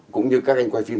cũng như các anh quay phim